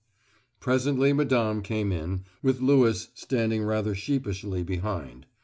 Presently Madame came in, with Lewis standing rather sheepishly behind.